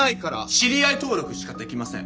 知り合い登録しかできません。